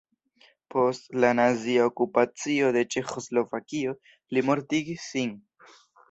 Post la nazia okupacio de Ĉeĥoslovakio li mortigis sin.